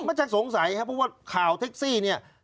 มันชักสงสัยครับเพราะว่าข่าวเท็กซี่นี่